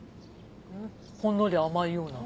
ほんのり甘いような。